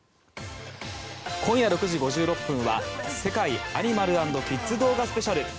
今夜６時５６分は「世界アニマル＆キッズ動画スペシャル」。